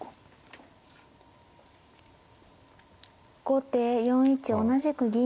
後手４一同じく銀。